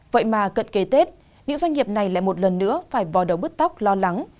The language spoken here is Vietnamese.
vậy mà cận kề tết những doanh nghiệp này lại một lần nữa phải vào đầu bứt tóc lo lắng